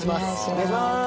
お願いします。